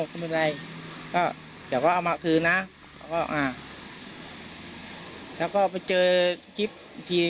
ไม่มีอะไรก็เดี๋ยวก็เอามาคืนนะแล้วก็ไปเจอคลิปที